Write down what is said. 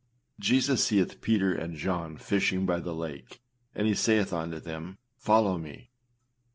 â Jesus seeth Peter and John fishing by the lake, and he saith unto them, âFollow me.